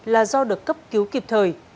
là do được cấp cứu kịp thời